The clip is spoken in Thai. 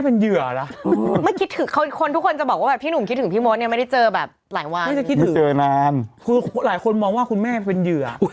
โอนดาตรีอาทิตจะบอกอุ๊ย